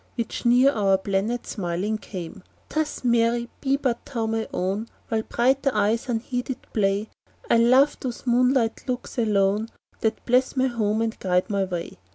Which near our planet smiling came; Thus, Mary, be but thou my own; While brighter eyes unheeded play, I'll love those moonlight looks alone, That bless my home and guide my way.